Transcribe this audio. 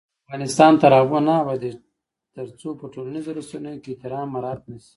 افغانستان تر هغو نه ابادیږي، ترڅو په ټولنیزو رسنیو کې احترام مراعت نشي.